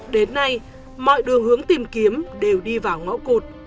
đến nay mọi đường hướng tìm kiếm đều đi vào ngõ cụt